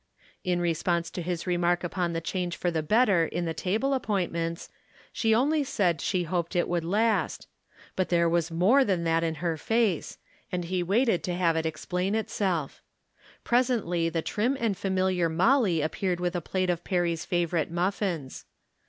In response to his remark upon the change for the better in the table appointments, she only said she hoped it would last. But there was more 352 From Different Standpoints. tlian that in her face, and he waited to have it explain itself. Presently the trim and familiar Molly appeared with a plate of Perry's favorite muffins.